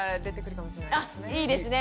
あいいですね。